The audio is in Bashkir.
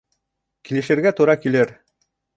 Килешергә тура килер